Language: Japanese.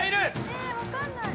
ええわかんない。